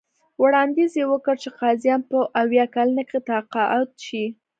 وړاندیز یې وکړ چې قاضیان په اویا کلنۍ کې تقاعد شي.